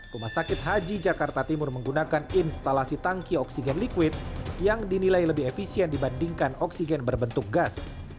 rumah sakit haji jakarta timur menggunakan instalasi tangki oksigen liquid yang dinilai lebih efisien dibandingkan oksigen berbentuk gas